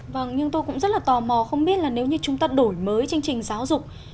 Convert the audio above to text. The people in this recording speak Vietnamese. vâng nhưng tôi cũng rất là tò mò không biết là nếu như chúng ta đổi mới chương trình giáo dục